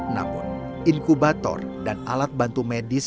namun inkubator dan alat bantu medis